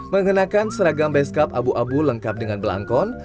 mengenakan seragam base cap abu abu lengkap dengan belangkon